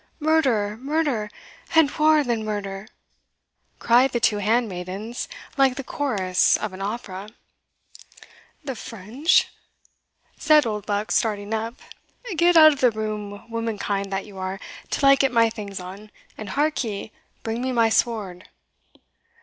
murder! murder! and waur than murder!" cried the two handmaidens, like the chorus of an opera. [Illustration: The Antiquary Arming] "The French?" said Oldbuck, starting up "get out of the room, womankind that you are, till I get my things on And hark ye, bring me my sword."